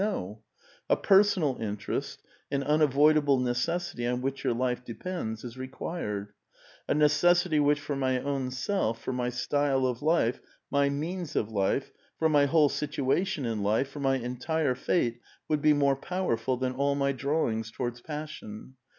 No ; a personal interest, an unavoidable necessity on which your life depends, is required ; a necessity which for my own s:lf, for my style of life, my means of life, for my whole situation in life, for my entire fate, would be more powerful than all my drawings towards passion.